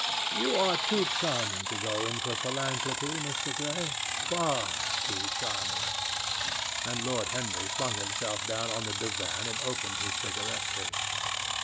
"You are too charming to go in for philanthropy, Mr. Gray—far too charming." And Lord Henry flung himself down on the divan and opened his cigarette case.